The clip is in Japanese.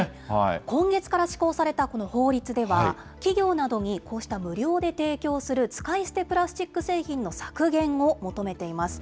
今月から施行されたこの法律では、企業などにこうした無料で提供する使い捨てプラスチック製品の削減を求めています。